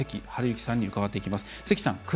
関治之さんに伺っていきます。